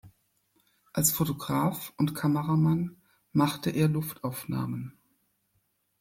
Als Fotograf und Kameramann machte er Luftaufnahmen.